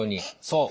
そう。